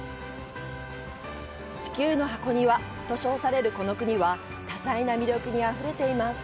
「地球の箱庭」と称されるこの国は、多彩な魅力にあふれています。